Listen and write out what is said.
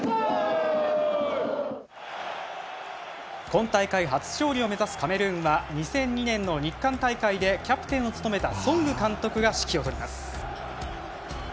今大会、初勝利を目指すカメルーンは２００２年の日韓大会でキャプテンを務めたソング監督が指揮を執ります。